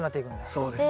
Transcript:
そうです。